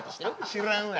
知らんわ。